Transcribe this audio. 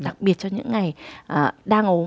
đặc biệt cho những ngày đang ốm